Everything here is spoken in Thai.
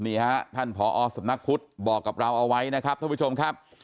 นี่ฮะท่านผอสำนักพุทธบอกกับเราเอาไว้นะครับท่านผู้ชมครับ